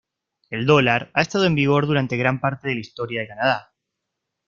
El dólar ha estado en vigor durante gran parte de la historia de Canadá.